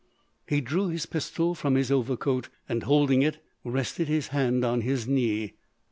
He drew his pistol from his overcoat and, holding it, rested his hand on his knee.